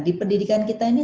di pendidikan kita ini